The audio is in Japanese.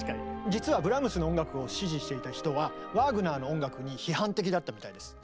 実はブラームスの音楽を支持していた人はワーグナーの音楽に批判的だったみたいです。